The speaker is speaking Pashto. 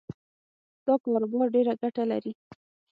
دا کاروبار ډېره ګټه لري